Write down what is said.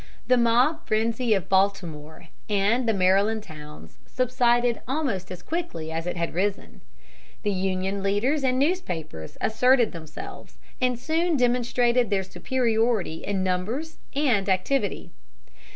The mob frenzy of Baltimore and the Maryland towns subsided almost as quickly as it had risen. The Union leaders and newspapers asserted themselves, and soon demonstrated their superiority in numbers and activity.